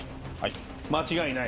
間違いない。